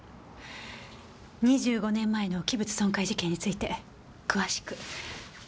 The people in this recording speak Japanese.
２５年前の器物損壊事件について詳しく。